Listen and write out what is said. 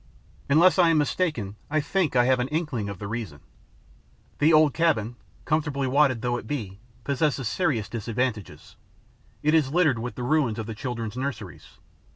Unless I am mistaken, I think I have an inkling of the reason. The old cabin, comfortably wadded though it be, possesses serious disadvantages: it is littered with the ruins of the children's nurseries.